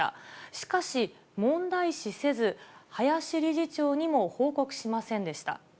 しかし、問題視せず、林理事長にも報告しませんでした。